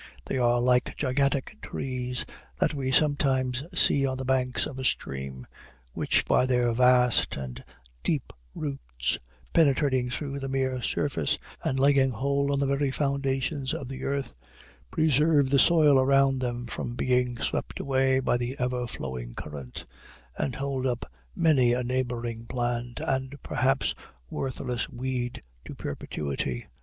They are like gigantic trees that we sometimes see on the banks of a stream; which, by their vast and deep roots, penetrating through the mere surface, and laying hold on the very foundations of the earth, preserve the soil around them from being swept away by the ever flowing current, and hold up many a neighboring plant, and perhaps worthless weed, to perpetuity.